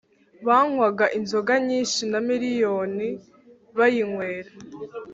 Banywaga inzoga nyinshi na miriyoni bayinywera